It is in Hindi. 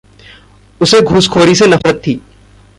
उसे घूसखोरी से नफ़रत थी।